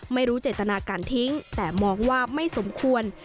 ไม่รู้เจตนาการทิ้งแต่มองว่าไม่สมควร